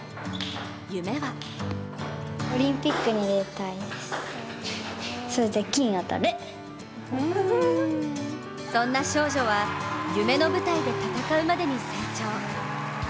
夢はそんな少女は夢の舞台で戦うまでに成長。